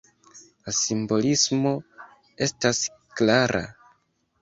La simbolismo estas klara.